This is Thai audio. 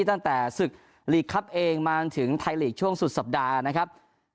ตั้งแต่ศึกลีกครับเองมาจนถึงไทยลีกช่วงสุดสัปดาห์นะครับ